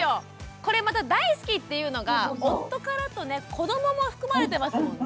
これまた「大好き」っていうのが夫からとね子どもも含まれてますもんね。